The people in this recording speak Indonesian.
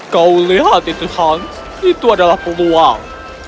kau lihat itu han itu adalah peluang